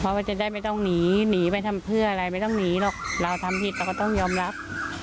เพราะว่าจะได้ไม่ต้องหนีหนีไปทำเพื่ออะไรไม่ต้องหนีหรอกเราทำผิดเราก็ต้องยอมรับ